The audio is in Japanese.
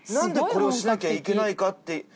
んでこれをしなきゃいけないかって。